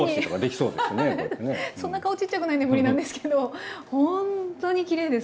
そんな顔ちっちゃくないんで無理なんですけどほんとにきれいです